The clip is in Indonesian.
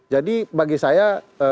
jadi bagi saya